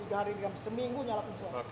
tiga hari tiga malam seminggu nyala